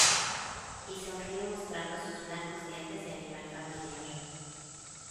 y sonríe mostrando sus blancos dientes de animal familiar.